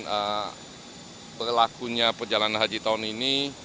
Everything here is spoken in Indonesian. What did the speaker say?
dengan berlakunya perjalanan haji tahun ini